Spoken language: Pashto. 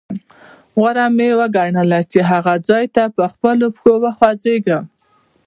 غوره مې وګڼله چې هغه ځاې ته په خپلو پښو وخوځېږم.